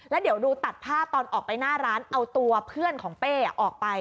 แล้วเดี๋ยวดูตัดภาพตอนออกไปหน้าร้านเอาตัวเพื่อนของเป้ออกไป